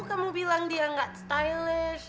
kamu bilang dia gak stylish